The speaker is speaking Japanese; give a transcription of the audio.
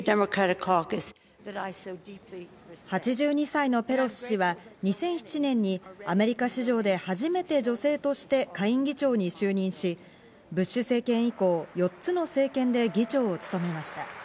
８２歳のペロシ氏は２００７年にアメリカ史上で初めて女性として下院議長に就任し、ブッシュ政権以降、４つの政権で議長を務めました。